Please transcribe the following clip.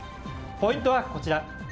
ポイントはこちら。